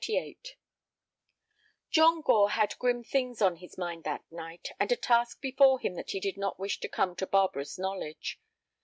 XXXVIII John Gore had grim things on his mind that night, and a task before him that he did not wish to come to Barbara's knowledge.